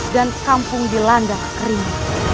dan kampung dilandang kering